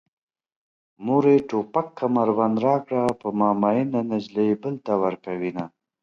مورې توپک کمربند راکړه په ما مينه نجلۍ بل ته ورکوينه